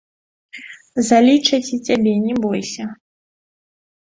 Залічаць і цябе, не бойся.